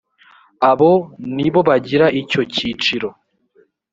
abo nibo bagira icyo cyiciro